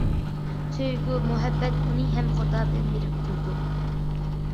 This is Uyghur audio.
سۆيگۈ- مۇھەببەت ئۇنى ھەم خۇدا بىلەن بىرىكتۈرىدۇ.